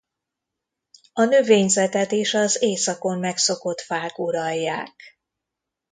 A növényzetet is az északon megszokott fák uralják.